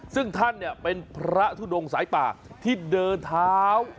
ซึ่งท่านเป็นพระทุดงสายป่าที่เดินเท้า